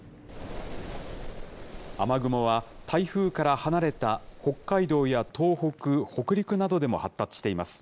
雨雲は台風から離れた北海道や東北、北陸などでも発達しています。